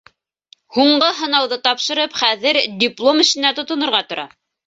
Һуңғы һынауҙы тапшырып, хәҙер диплом эшенә тотонорға тора.